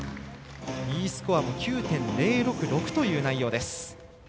Ｅスコアも９．０６６という内容。